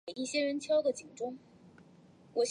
他还有一个弟弟和妹妹内奥米。